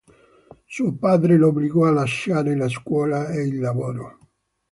Suo padre lo obbligò a lasciare la scuola e il lavoro.